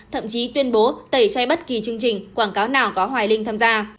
thậm chí tuyên bố tẩy chay bất kỳ chương trình quảng cáo nào có hoài linh tham gia